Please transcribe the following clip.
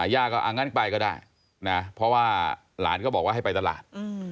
ย่าก็งั้นไปก็ได้นะเพราะว่าหลานก็บอกว่าให้ไปตลาด